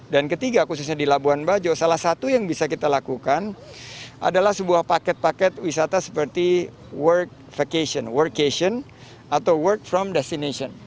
dan ketiga khususnya di labuan bajo salah satu yang bisa kita lakukan adalah sebuah paket paket wisata seperti work vacation atau work from destination